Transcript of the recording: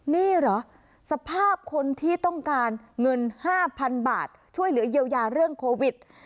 นี่เหรอสภาพคนที่ต้องการเงิน๕๐๐๐บาทช่วยเหลือเยียวยาเรื่องโควิด